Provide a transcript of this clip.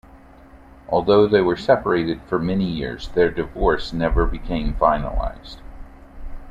Although they were separated for many years, their divorce never became finalized.